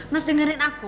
mas dengerin aku